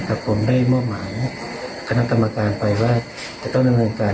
ตรับตามในคลิปเสียง